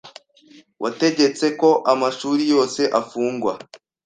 wategetse ko amashuri yose afungwa